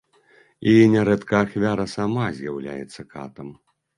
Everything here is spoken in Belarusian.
І нярэдка ахвяра сама з'яўляецца катам.